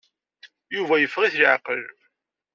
Yuba yeffeɣ-it laɛqel.